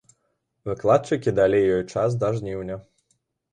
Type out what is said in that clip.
Выкладчыкі далі ёй час да жніўня.